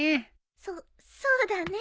そそうだね。